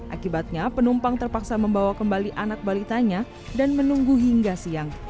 akibatnya penumpang terpaksa membawa kembali anak balitanya dan menunggu hingga siang